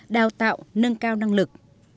đào tạo nâng cao năng lực